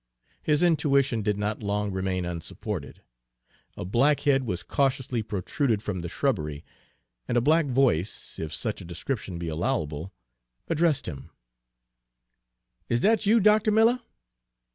His intuition did not long remain unsupported. A black head was cautiously protruded from the shrubbery, and a black voice if such a description be allowable addressed him: "Is dat you, Doctuh Miller?"